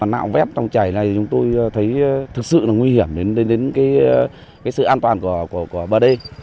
nạo vép trong chảy này chúng tôi thấy thực sự là nguy hiểm đến cái sự an toàn của bà đê